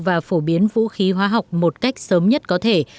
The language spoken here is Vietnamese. và phổ biến vũ khí hóa học một cách sớm nhất có thể